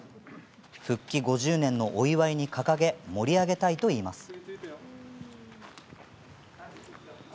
復帰５０年のお祝いに掲げ盛り上げたいといいます。